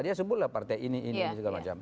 dia sebutlah partai ini ini segala macam